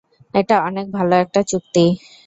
এটা অনেক ভাল একটা চুক্তি।